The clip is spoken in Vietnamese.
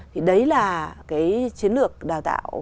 thì đấy là cái chiến lược đào tạo